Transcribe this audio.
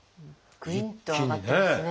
グインと上がってますね。